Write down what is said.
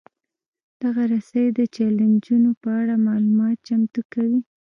دغه رسنۍ د چلنجونو په اړه معلومات چمتو کوي.